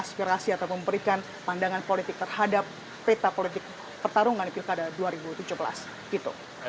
jadi itu adalah yang akan diperlukan pandangan politik terhadap peta politik pertarungan di pilkada dua ribu tujuh belas